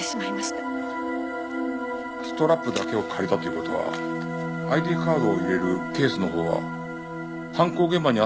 ストラップだけを借りたという事はＩＤカードを入れるケースのほうは犯行現場にあったのをそのまま